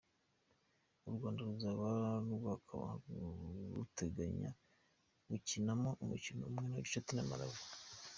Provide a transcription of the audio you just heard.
U Rwanda ruzaba rwakaba ruteganya gukinamo umukino umwe wa gicuti na Malawi.